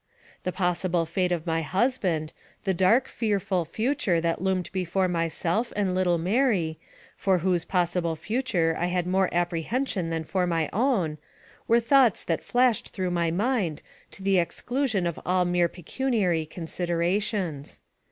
The possible fate of my husband ; the dark, fearful future that loomed before myself and little Mary, for whose possible future I had more ap prehension than for my own, were thoughts that AMONG THE SIOUX INDIANS. 39 flashed through my mind to the exclusion of all mere pecuniary considerations.